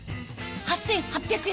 ８８００円